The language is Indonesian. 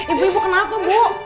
ibu ibu kenapa bu